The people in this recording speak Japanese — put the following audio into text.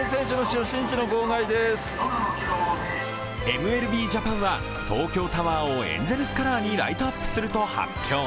ＭＬＢジャパンは東京タワーをエンゼルスカラーにライトアップすると発表。